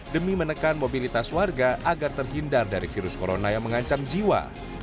demi menekan mobilitas warga agar terhindar dari virus corona yang mengancam jiwa